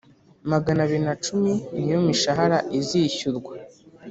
magana abiri na cumi niyo mishara izishyurwa